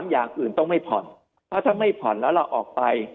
อย่างอื่นต้องไม่ผ่อนเพราะถ้าไม่ผ่อนแล้วเราออกไป